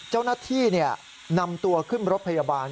เจ้าหน้าที่นำตัวขึ้นรถพยาบาล